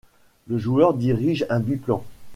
Le joueur dirige un biplan.